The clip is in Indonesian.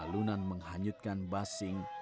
alunan menghanjutkan basing